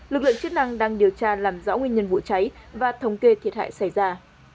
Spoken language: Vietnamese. lực lượng chức năng đang điều tra làm rõ nguyên nhân vụ cháy và thống kê thiệt hại xảy ra